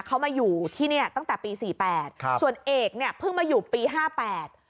เขามาอยู่ที่เนี้ยตั้งแต่ปีสี่แปดครับส่วนเอกเนี่ยเพิ่งมาอยู่ปีห้าแปด